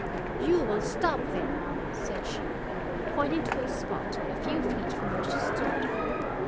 "'You will stop there,' said she, pointing to a spot a few feet from where she stood.